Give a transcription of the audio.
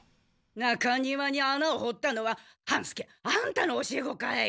中庭にあなをほったのは半助アンタの教え子かい！